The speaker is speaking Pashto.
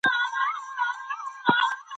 د کولمو سالم حالت د معافیت لپاره ضروري دی.